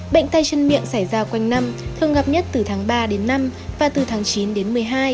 bệnh tay chân miệng xảy ra quanh năm thường gặp nhất từ tháng ba đến năm và từ tháng chín đến một mươi hai